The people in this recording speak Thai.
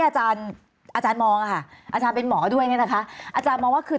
อาจารย์มองว่าคือ